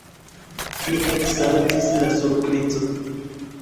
Mi eksaltis de surprizo.